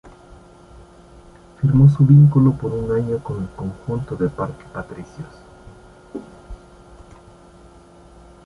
Firmó su vínculo por un año con el conjunto de Parque Patricios.